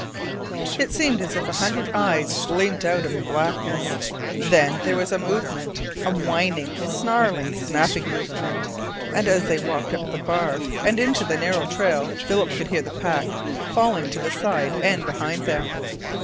It seemed as if a hundred eyes gleamed out of the blackness; then there was a movement, a whining, snarling, snapping movement, and as they walked up the bar and into a narrow trail Philip could hear the pack falling out to the side and behind them.